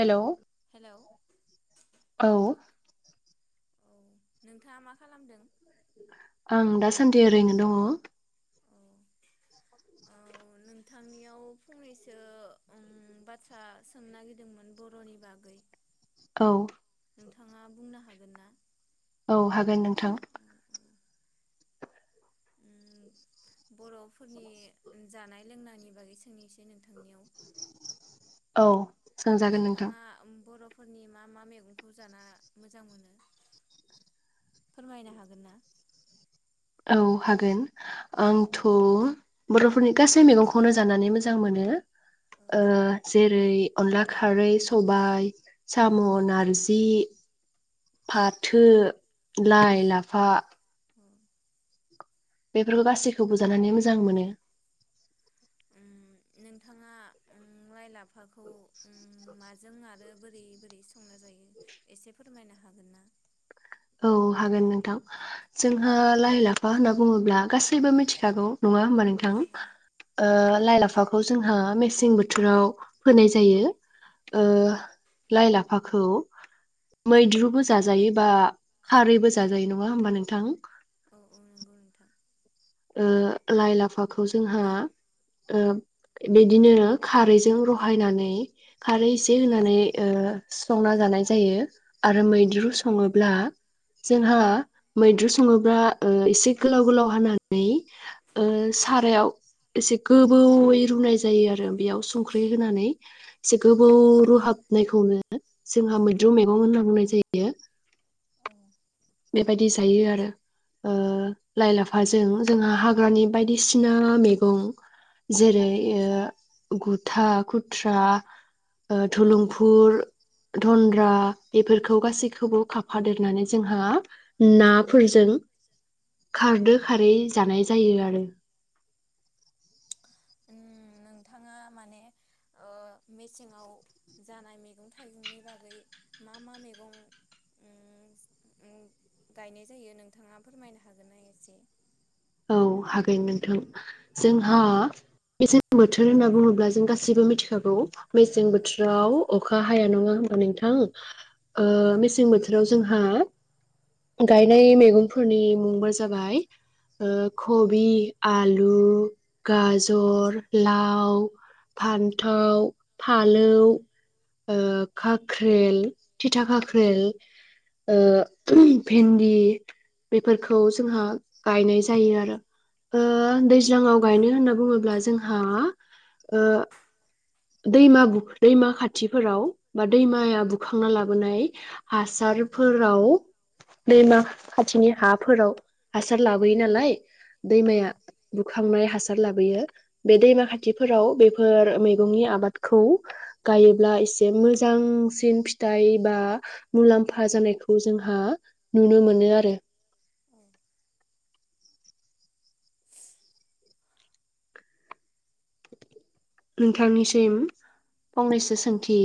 Hello hello औ। औ नोंथाङा मा खालामदों? आं दासान्दि ओरैनो दङ। औ औ नोंथांनियाव फंनैसो उम बाथ्रा सोंनो नागिरदोंमोन बर'नि बागै। औ। नोंथाङा बुंनो हागोन ना? औ हागोन नोंथां। उम बर'फोरनि जानाय लोंनायनि बागै सोंनिसै नोंथांनि औ। सोंजागोन नोंथां नोंथाङा बर' फोरनि मा मा मेगंखौ जाना मोजां मोनो फोरमायनो हागोन ना? औ हागोन औ आंथ' बर'फोरनि गासै मेगंखौनो जानानै मोजां मोनो औ जेरै अनला खारै, सबाय औ साम' नारजि फाथो लाइ लाफा औ बेफोरखो गासैखौबो जा जानानै मोजां औ औ मोनो। उम नोंथाङा उम लाइ लाफाखौ उम माजों आरो बोरै बोरै संना जायो एसे फोरमायनो हागोन ना? औ हागोन नोंथां जोंहा लाइ लाफा होनना बुङोब्ला गासैबो मिथिखागौ नङा होमबा नोंथां। ओ लाइ लाफाखौ जोंहा मेसें बोथोराव फानाय जायो औ ओ लाइ लाफाखौ मैद्रुबो जाजायो बा खारैबो जाजायो नङा होमबा नोंथां? औ औ नंगौ नोंथां ओ लाइ लाफाखौ जोंहा ओ बिदिनो खारैजों रहायनानै खारै एसे होनानै ओ संना जानाय जायो आरो औ मैद्रु सङोब्ला जोंहा मैद्रु सङोब्ला ओ एसे गोलाव गोलाव हानानै नै ओ सारायाव एसे गोबौयै रुनाय जायो आरो बेयाव संख्रै होनानै एसे औ गोबौ रुहाबनायखौ खौनो जोंहा मैद्रु मैगं होनना बुंनाय जायो। बेबायदि जायो आरो लाइ लाफाजों जोंहा हाग्रानि बायदिसिना बायसिना मैगं जेरै गुद गुथा खुथ्रा औ नोंथां धुलुंफुर बा बेफोरखौ गासैखौबो खाफादेरनानै जोंहा नाफोरजों औ खारदो खारै जानाय जायो आरो नोंथाङा माने ओ मेसेंङाव जानाय मैगं थाइगंनि बागै मा मा मैगं गायनाय जायो नोंथाङा फोरमायनो हागोनना एसे? औ हागोन नोंथां जोंहा मेसें बोथोर होनना बुङोब्ला जों गासैबो मिथिखागौ मेसें औ औ बोथोराव अखा हाया नङा नोंथां मेसें बोथोराव जोंहा गायनाय मैगंफोरनि मुंबा जाबाय कबि, आलु, गाजर, लाव, फान्थाव, फालौ, खाख्रेल, थिथा खाख्रेल, भिन्दि बेफोरखौ जोंहा बायनाय जायो आरो ओ दैज्लांआव गायनो होनना बुङोब्ला जों हा ओ दैमा दैमा खाथिफोराव बा दैमाया बुखांना लाबोनाय गायनो होनना बुङोब्ला जोंहा हासारफोराव दैमा खाथिनि हाफोराव हासार लाबोयो नालाय औ दैमाया बुखांनाय हासार हासार लाबोयो बे दैमा खाथिफोराव बेफोर मैगंनि आबादखौ गायोब्ला एसे मोजांसिन फिथाइ बा मुलाम्फा जानायखौ जोंहा नुनो मोनो आरो नोंथांनिसिम फंनैसो औ औ सोंथि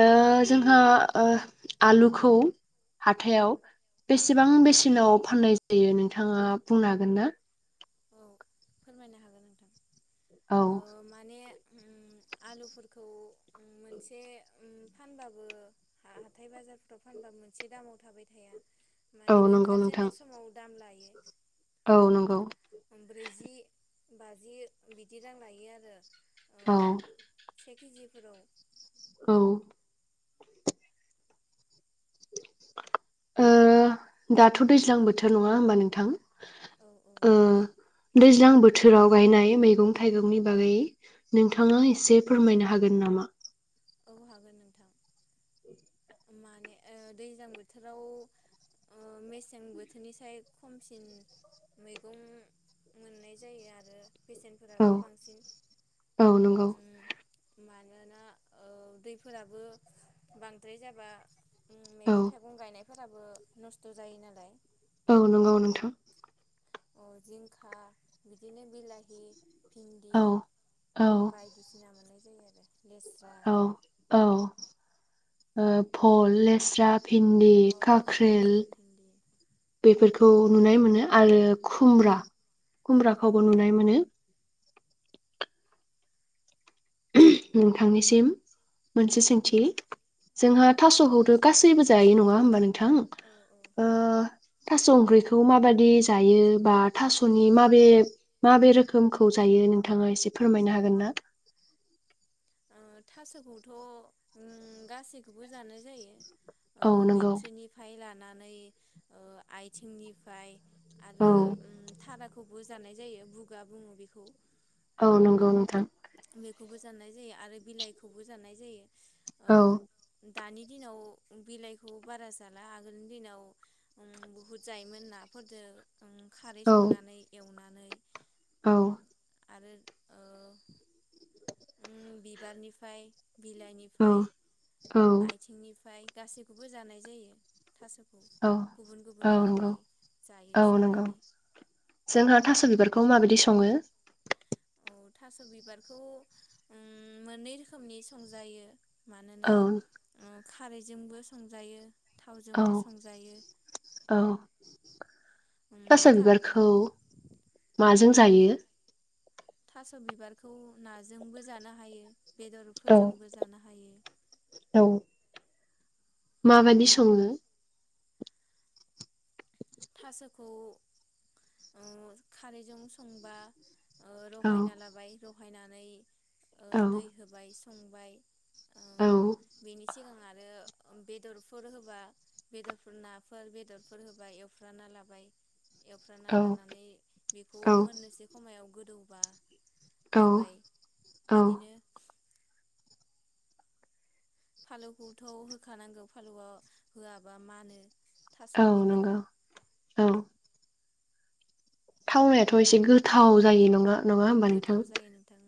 ओ जोंहा ओ आलुखौ हाथायाव बेसेबां बेसे नाव फाननाय जायो नों नोंथाङा बुंनो हागोन ना? औ फोरमायनो हागोन नोंथां। औ। ओ माने उम आलुफोरखौ उम मोनसे उम फानबाबो हाथाय बाजारफ्राव फानबाबो मोनसे दामाव थाबाय थाया - औ माने नंगौ नोंथां ओंखारजेननाय समाव दाम लायो औ नंगौ। ब्रैजि बाजि बिदि रां लायो आरो ओ औ से केजिफोराव औ ओ दाथ' दैज्लां बोथोर नङा होमबा नोंथां? औ औ ओ दैज्लां बोथोराव गायनाय मैगं थाइगंनि बागै नोंथाङा एसे फोरमायनो हागोन नामा? औ हागोन नोंथां माने ओ दैज्लां बोथोराव ओ मेसें बोथोरनिसाय खमसिन मैगं मोननाय जायो आरो औ बेसेनफोराबो बांसिन औ नंगौ उम मानो ओ दैफोराबो बांद्राय जाबा उम औ मैगं थाइगं गायनाय फोराबो नस्थ जायो नालाय औ नंगौ नोंथां अ जिंखा बिदिनो बिलाहि भिन्दि औ औ बायदिसिना मोनाय जायो आरो लेस्रा औ औ ओ फल लेस्रा भिन्दि औ काख्रिल लेस्रा भिन्दि बेफोरखौ खौ नुनाय मोनो आरो खुमब्रा औ खुमब्राखौवबो खुमब्रा नुनाय मोनो नोंथांनिसिम मोनसे सोंथि औ जोंहा बुं थास' खौथ गासैबो जायो नङा होमबा नों थां औ ओ थास' ओंख्रिखौ माबादि जायो बा थास'नि माबे माबे रोखोमखौ जायो नोंथाङा एसे फोरमायनो औ हागोन ना? औ ओ थास'खौथ' ओम गासैखौबो जानाय जायो ओ औ नंगौ बिट्रिनिफ्राय लाना नै ओ आइथिंनिफाय औ आरो ओम थारा खौबो जानाय जायो बुगा बुङो बेखौ औ नंगौ नोंथां बेखौबो जानाय जायो आरो बिलाइखौबो जानाय जायो। ओ औ दानि दिनाव बिलाइखौ बारा जाला आगोलनि दिनाव ओम बुहुद जायोमोन नाफोरजो खारै औ संनानै एवना औ। ओम बिबारनिफाय। औ बिलाइनिफाय आथिंनिफाय। गासैखौबो जानाय जायो थास औ औ नंगौ जायो औ नंगौ संनानै जोंहा थास बिबारखौ माबायदि सङो औ थास बिबारखौ ओम मोननै रोखोमनि संजायो। मानोना औ खारैजोंबो संजायो। औ थावजोंबो संजायो औ उम थास था उम बिबारखौ माजों जायो? थास बिबारखौ नाजोंबो जानो हायो। औ बेदरफोरजोंबो जानो हायो। माबादि सङो? थासखौ ओ खारैजों संबा औ रहायना लाबाय र हायनानै ओ औ दै होबाय संबाय औ ओम बेनि सिगां आरो ओ बेदरफोर होबा बेरफोर नाफोर बेदरफोर होबा एव फ्राना लाबाय एवफ्राना औ लानानै बेखौ मोननोसै खमायाव गोदौबा औ होबाय औ बिदिनो फालौखौथ होखानांगौ फालौआव होआबा मानो थास' औ बिबाराव नंगौ औ थावनायाथ एसे गोथाव जायो नङा नङा होमबा नोंथां गोथाव जायो नोंथां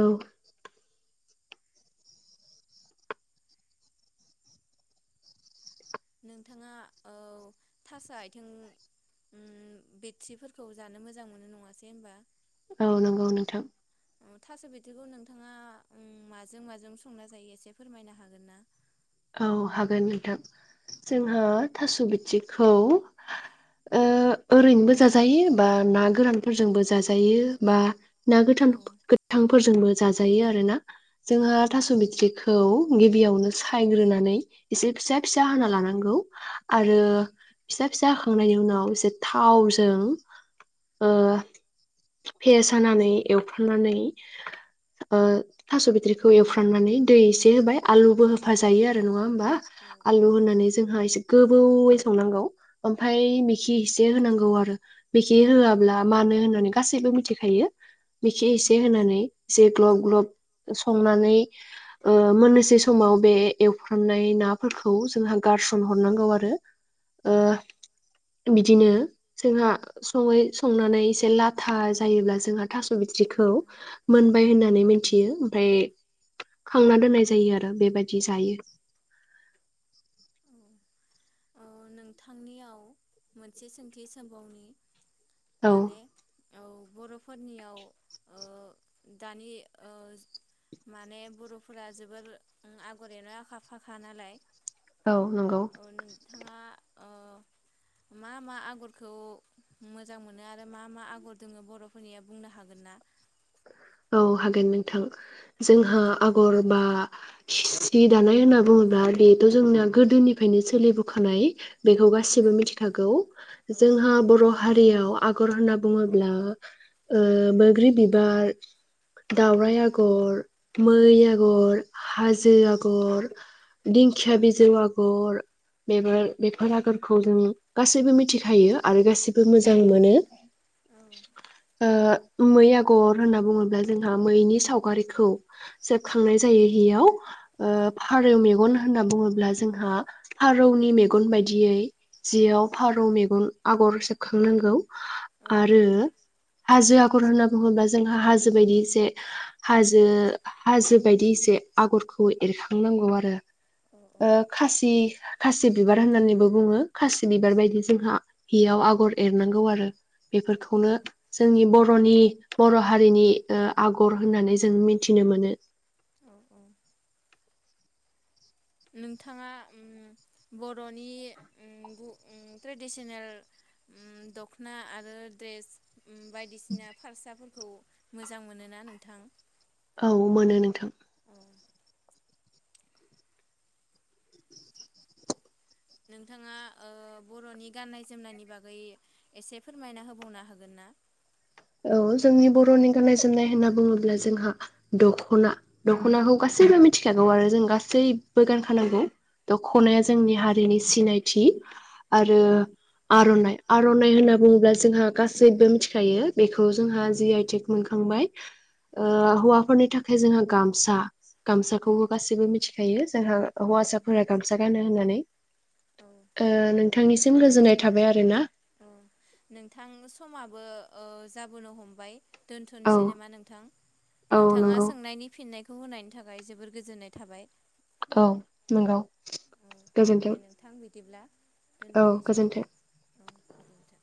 औ [inaudible] नोंथाङा औ थास' आथिं ओ बेथ्रिफोरखौ जानो मोजां मोनो नङासै होनबा? औ नंगौ नोंथां थास' बिथ्रिखौ नोंथाङा उम माजों माजों संना जायो एसे फोरमायनो हागोन ना? औ हागोन नोंथां जोंहा थास बिथरिखौ ओ ओरैनोबो जाजायो बा ना गोरानफोरजोंबो जाजायो बा ना गोथां औ गोथांफोरजोंबो जाजायो आरो ना औ जोंहा औ थास बिथरिखौ बेयावनोसो खायग्रोनानै एसे फिसा फिसा हाना लानांगौ औ आरो फिसा फिसा हाखांनायनि उनाव एसे थावजों ओ फेेज हानानै एवफ्रामनानै ओ थास बिथ्रिखौ एवफ्रामनानै दै एसे होबाय आलुबो होफा जायो आरो नङा होमबा औ औ आलु होनानै जोंहा एसे गोबौयै संनांगौ ओमफ्राय मिखि एसे होनांगौ आरो बिखि होआब्ला मानो होननानै गासैबो मिथिखायो औ मिखि एसे होनानै जे ग्लब ग्लब संनानै ओ मोननोसै समाव बे एवफ्रामनाय ना फोरखौ जोंहा गारसन हरनांगौ आरो ओ औ बिदिनो जोंहा सङै संनानै एसे लाथा जायोब्ला जोंहा थास बिथरिखौ मोनबाय होनना नानै मिनथियो ओमफ्राय खांना दोन्नाय जायो आरो बेबाय जायो ओ नोंथांनियाव मोनसे सोंथि सोंबावनि औ माने औ बरफोरनियाव ओ दानि ओ माने बरफोरा जोबोर आगर एरनाया आखा फाखा नालाय औ नंगौ आ‌ अ मा मा आगरखौ मोजां मोनो आरो मा मा आगर दोङो बरफोरनिया बुंनो हागोन ना। औ हागोन नोंथां जोंहा आगर बा सि दानाय होनना बुङोब्ला बेबो जोंनाया गोदोनिफ्रायनो सोलिबोखानाय। औ बेखौ गासिबो मिथिखागौ औ जोंहा बर हारि बेयाव आगर होनना बुङोब्ला ओ बैग्रि बिबार औ दावराइ आगर मै आगर हाजो आगर दिंखिया बिजौ आगर बेबोर बेफोर आगरखौ जों गासैबो मिथिखायो आरो गासैबो मोजां मोनो। औ ओ मै आगर होनना बुङो जोंहा मैनि सावगारिखौ सेबखांनाय जायो हियाव ओ औ फारौ मेगन हो होनना बुङोब्ला जोंहा फारौनि मेगन बायदियै जियाव फारौ मेगन आगर सेबखांनांगौ आरो हाजो आगर होनना बुङोब्ला जोंहा हाजो हाजो बायदि एसे हाजो हाजो बायदि एसे आगरखौ एरखांनांगौ आरो औ ओ खासि खासि बिबार होननानैबो बुङो खासि बिबार बायदि जोंहा हियाव आगर एरनांगौ आरो औ बेफोरखौनो जोंनि बरनि बर हारिनि ओ आगर होननानै जों मिथिनो मोनो। औ औ नोंथाङा ओम बरनि ओम ओम ट्रेडिसनेल ओम दखना आरो द्रेस ओ बायदिसिना फारसाफोर खौ मोजां मोनोना नोंथां औ मोनो नोंथां औ नोंथाङा ओ बरनि गाननाय जोमनायनि बागै एसे फोरमायना होबावनो हागोनना औ जोंनि बरनि गाननाय जोमनाय होनना बुङोब्ला जोंहा दखना दखनाखौ गासैबो मिथिखागौ आरो जों गासैबो गानखानांगौ औ दख'नाया जोंनि हारिनि सिनायथ थि। आरो आर'नाइ आर'नाइ होन्ना बुङोब्ला जोंहा गासैबो मिथिखायो। औ जोंहा जि आइ टेक मोनखा खांबाय। ओ हौवाफोरनि थाखाय फाय जोंहा गामसा गामसाखौ गाससिबो मिथि खायोस जोंहा हौवासाफोरा गामसा गानो होन्नानै। ओ नोंथांनिसिम गोजोन्नाय थाबाय आरोना। औ नोंथां समाबो ओ जाबोनो हमबाय। औ दोन्थनोसै नामा नोंथां? औ नोंथाङा नंगौ सोंनायनि फिननायखौ खौ होनायनि थाखाय जोबोर गोजोन्नाय थाबाय। औ नोंगौ। ओ दे नोंथां बिदिब्ला औ दोन्थनोसै गोजोन्थों औ गोजोन्थों।